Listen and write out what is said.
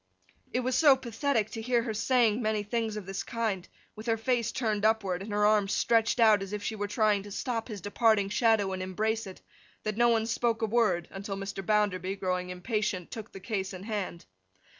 It was so pathetic to hear her saying many things of this kind, with her face turned upward, and her arms stretched out as if she were trying to stop his departing shadow and embrace it, that no one spoke a word until Mr. Bounderby (growing impatient) took the case in hand.